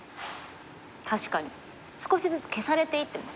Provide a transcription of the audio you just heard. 確かに少しずつ消されていってますね。